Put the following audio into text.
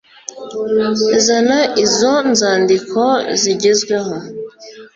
Zana izo nzandiko zigezweho